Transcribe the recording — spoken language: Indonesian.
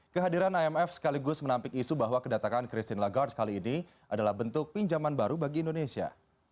kehadiran imf sekaligus menampik isu bahwa kedatangan christine lagarde kali ini adalah bentuk pinjaman baru bagi indonesia